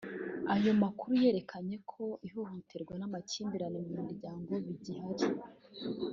Ayo makuru yerekanye ko ihohoterwa n’amakimbirane mu miryango bigihari